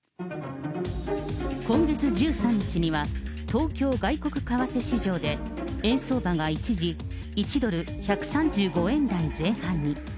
今月１３日には、東京外国為替市場で円相場が一時、１ドル１３５円台前半に。